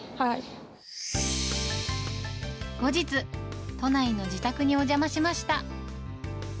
後日、都内の自宅にお邪魔しました。